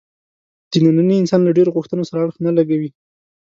د ننني انسان له ډېرو غوښتنو سره اړخ نه لګوي.